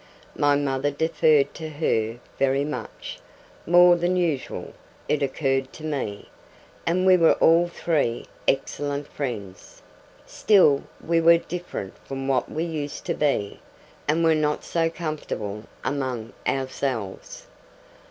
My mother deferred to her very much more than usual, it occurred to me and we were all three excellent friends; still we were different from what we used to be, and were not so comfortable among ourselves.